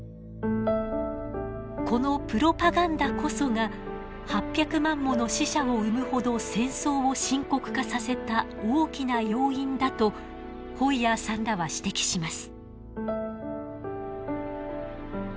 このプロパガンダこそが８００万もの死者を生むほど戦争を深刻化させた大きな要因だとホイヤーさんらは指摘します。